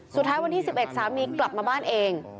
สุดท้ายวันที่๑๑สามีกลับมาบ้านเอง